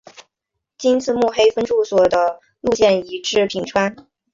今次目黑分驻所的路线移至品川。